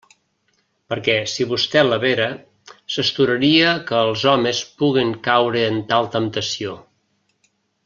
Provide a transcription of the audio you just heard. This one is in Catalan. Perquè si vostè la vera, s'astoraria que els homes puguen caure en tal temptació.